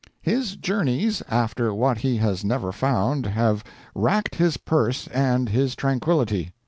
"His journeys after what he has never found have racked his purse and his tranquillity.